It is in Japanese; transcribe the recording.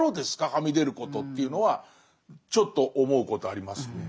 はみ出ることというのはちょっと思うことありますね。